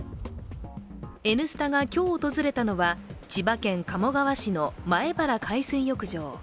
「Ｎスタ」が今日訪れたのは千葉県鴨川市の前原海水浴場。